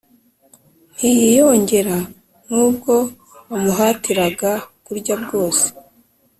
ntiyiyongera n'ubwo bamuhatiraga kurya bwose.